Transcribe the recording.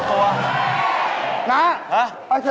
หูดูว่าตีได้จริง